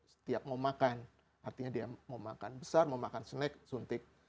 setiap mau makan artinya dia mau makan besar mau makan snack suntik